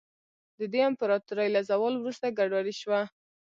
د دې امپراتورۍ له زوال وروسته ګډوډي شوه.